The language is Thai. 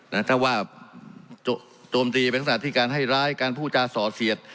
ถ้าว่าโจมตีเป็นลักษณะที่การให้ร้ายการพูดจาส่อเสียด